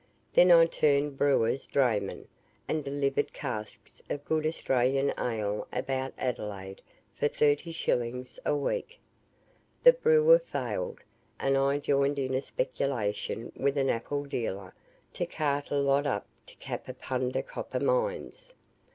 Then I turned brewer's drayman, and delivered casks of good Australian ale about Adelaide for 30s. a week. The brewer failed, and I joined in a speculation with an apple dealer to cart a lot up to the Kapunda copper mines.